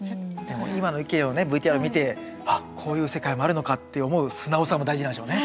今の意見をねＶＴＲ見てあっこういう世界もあるのかって思う素直さも大事なんでしょうね。